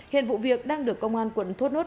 hiện vụ việc đang được công an quận thốt nốt